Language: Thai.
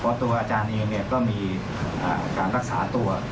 เพราะตัวอาจารย์เองก็มีการรักษาตัว